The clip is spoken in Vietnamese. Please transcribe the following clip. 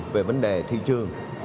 về vấn đề thị trường